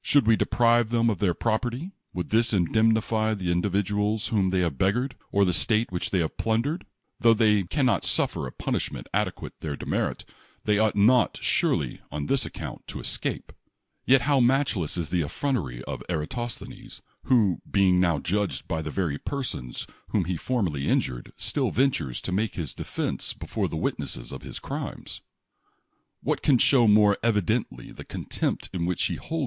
Should we deprive them of their property, would this indemnify the individuals whom they have beggared, or the state which they have plun dered? Tho they can not suffer a punishment adequate to their demerit, they ought not, surely, on this account, to escape. Yet how matchless is the effrontery of Eratosthenes, who, being now judged by the verv^ persons whom he formerly injured, still ventures to make his defense before the witnesses of his crimes? What can show more evidently the contempt in which he liolds 62 1